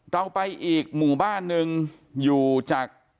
เราไปอีกหมู่บ้านหนึ่งอยู่จาก